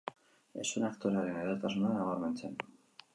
Ez zuen aktorearen edertasuna nabarmentzen.